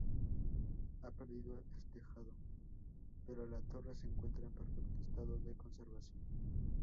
Ha perdido el tejado, pero la torre se encuentra en perfecto estado de conservación.